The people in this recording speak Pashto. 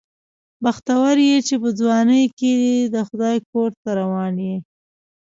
بختور یې چې په ځوانۍ کې د خدای کور ته روان یې.